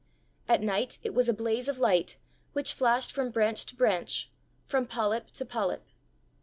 At night it was a blaze of light which flashed from branch to branch, from polyp to polyp.